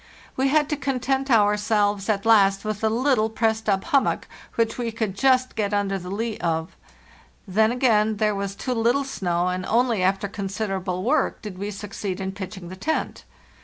We had to content ourselves at last with a lit tle pressed up hummock, which we could just get under the lee of. Then, again, there was too little snow, and only after considerable work did we succeed in pitching the tent.